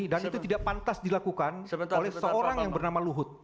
dan itu tidak pantas dilakukan oleh seorang yang bernama luhut